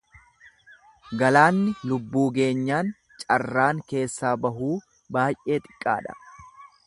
Galaanni lubbuu geenyaan carraan keessaa bahuu baay'ee xiqqaadha.